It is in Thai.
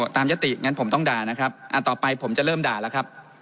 ยติงั้นผมต้องด่านะครับต่อไปผมจะเริ่มด่าแล้วครับ